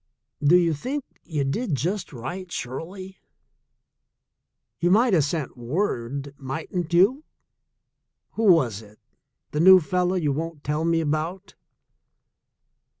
"Do you think you did just right, Shirley? You might have sent word, mightn't you ? Who was it — the new fellow you won't tell me about?"